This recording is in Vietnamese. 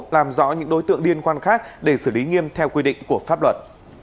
làm rõ những đối tượng liên quan khác để xử lý nghiêm theo quy định của pháp luật